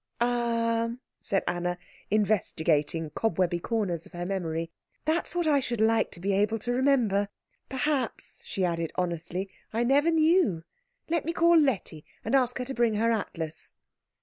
"Ah," said Anna, investigating cobwebby corners of her memory, "that's what I should like to be able to remember. Perhaps," she added honestly, "I never knew. Let me call Letty, and ask her to bring her atlas."